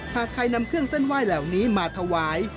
หากใครนำเครื่องเส้นไหว้เหล่านี้มาถวาย